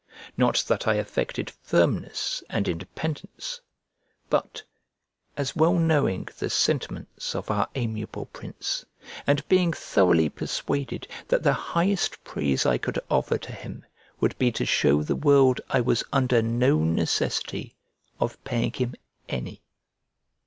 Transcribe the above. Not that I affected firmness and independence; but, as well knowing the sentiments of our amiable prince, and being thoroughly persuaded that the highest praise I could offer to him would be to show the world I was under no necessity of paying him any.